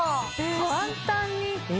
簡単に。